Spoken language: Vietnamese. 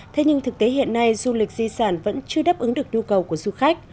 thế nhưng thực tế hiện nay du lịch di sản vẫn chưa đáp ứng được nhu cầu của du khách